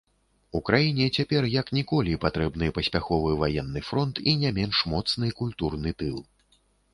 Украіне цяпер як ніколі патрэбны паспяховы ваенны фронт і не менш моцны культурны тыл.